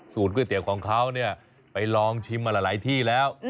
ก๋วยเตี๋ยวของเขาเนี่ยไปลองชิมมาหลายที่แล้ว